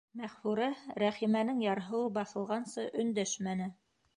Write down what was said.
Мәғфүрә Рәхимәнең ярһыуы баҫылғансы өндәшмәне.